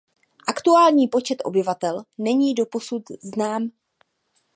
Aktuální počet obyvatel není doposud znám.